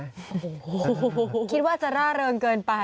โอ้โหคิดว่าจะร่าเริงเกินไป